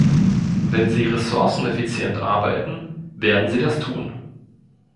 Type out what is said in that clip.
Wenn sie ressourceneffizient arbeiten, werden sie das tun.